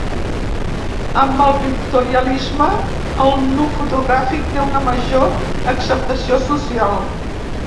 Amb el pictorialisme, el nu fotogràfic té una major acceptació social.